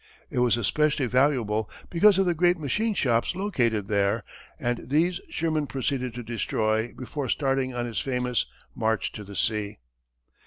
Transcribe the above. It was especially valuable because of the great machine shops located there, and these Sherman proceeded to destroy before starting on his famous "march to the sea."